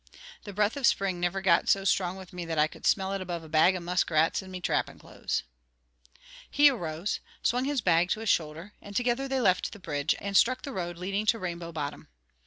The breath of spring niver got so strong with me that I could smell it above a bag of muskrats and me trappin' clothes." He arose, swung his bag to his shoulder, and together they left the bridge, and struck the road leading to Rainbow Bottom.